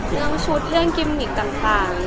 เรื่องชุดเรื่องกิมมิกต่าง